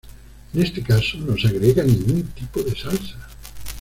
En este caso no se agrega ningún tipo de salsa.